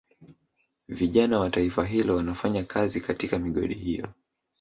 Vijana wa taifa hilo wanafanya kazi katika migodi hiyo